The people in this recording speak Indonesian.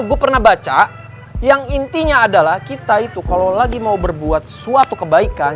gue pernah baca yang intinya adalah kita itu kalau lagi mau berbuat sesuatu kebaikan